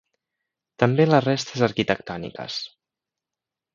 També les restes arquitectòniques: